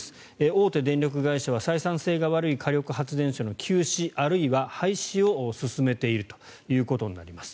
大手電力会社は採算性が悪い火力発電所の休止あるいは廃止を進めているということになります。